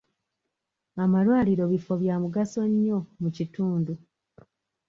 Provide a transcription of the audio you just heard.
Amalwaliro bifo bya mugaso nnyo mu kitundu.